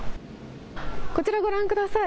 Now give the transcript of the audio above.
こちらご覧ください。